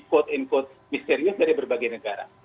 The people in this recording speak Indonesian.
code in code misterius dari berbagai negara